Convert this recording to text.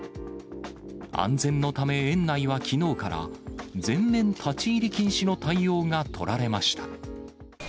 安全のため、園内はきのうから全面立ち入り禁止の対応が取られました。